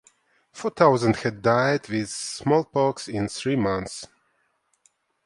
Four thousand had died with smallpox in three months.